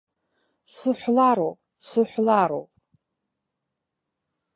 Сыҳәлароуп, сыҳәлароуп.